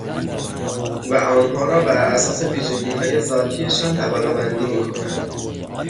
و آنها را بر اساس ویژگیهای ذاتی شان طبقهبندی میکنند